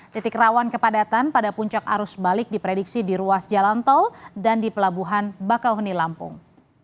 titik rawan kepadatan pada puncak arus balik diprediksi di ruas jalan tol dan di pelabuhan bakauheni lampung